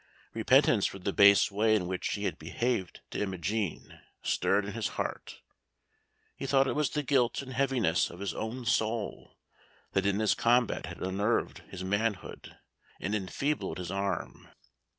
Repentance for the base way in which he had behaved to Imogen stirred in his heart; he thought it was the guilt and heaviness of his own soul that in this combat had unnerved his manhood and enfeebled his arm.